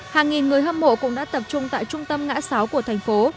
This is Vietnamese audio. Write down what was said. hàng nghìn người hâm mộ cũng đã tập trung tại trung tâm ngã sáu của thành phố